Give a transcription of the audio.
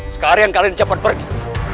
sekarang kalian cepat pergi